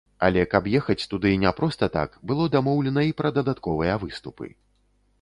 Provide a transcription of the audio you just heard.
Але каб ехаць туды не проста так, было дамоўлена і пра дадатковыя выступы.